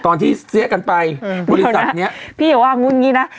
ตอนที่เสี้ยกันไปอืมบริษัทเนี้ยพี่อย่าบอกว่างุ่นงี้นะ